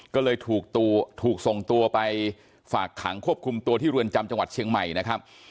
ก็เลยถูกส่งตัวไปฝากขังควบคุมตัวที่เรือนจำจังหวัดเชียงใหม่นะครับ